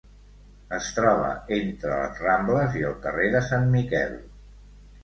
Es troba entre les Rambles i el carrer de Sant Miquel.